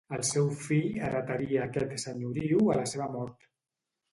El seu fill heretaria aquest senyoriu a la seva mort.